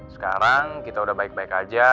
sekarang kita udah baik baik aja